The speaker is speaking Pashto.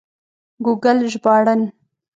ګوګل ژباړن